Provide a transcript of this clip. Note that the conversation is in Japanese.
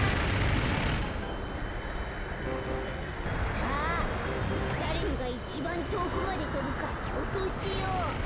さあだれのがいちばんとおくまでとぶかきょうそうしよう。